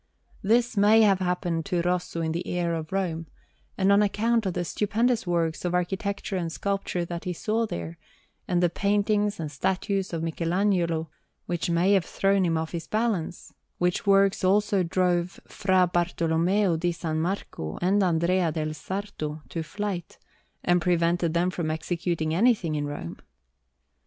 This may have happened to Rosso in the air of Rome, and on account of the stupendous works of architecture and sculpture that he saw there, and the paintings and statues of Michelagnolo, which may have thrown him off his balance; which works also drove Fra Bartolommeo di San Marco and Andrea del Sarto to flight, and prevented them from executing anything in Rome.